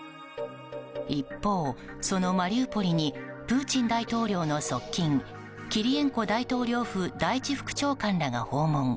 一方、そのマリウポリにプーチン大統領の側近キリエンコ大統領府第１副長官らが訪問。